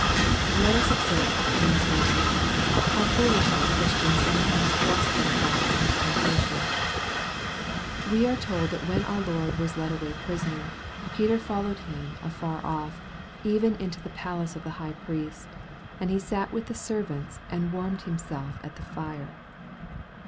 Let us observe in these verses, how foolishly Christian* sometimes thrust themselves into temptation. We are told that when our Lord was led away prisoner, " Peter fol lowed Him afar off, even into the palace of the high priest : and he sat with the servants, and warmed him self at the fire."